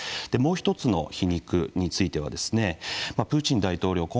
もう１つの皮肉についてはプーチン大統領